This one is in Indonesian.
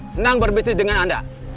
senang berbisnis dengan anda